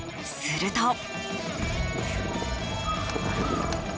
すると。